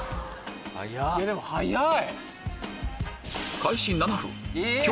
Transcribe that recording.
でも早い！